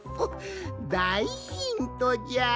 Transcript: だいヒントじゃ！